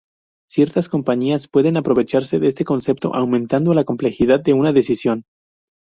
Ciertas compañías pueden aprovecharse de este concepto aumentando la complejidad de una decisión.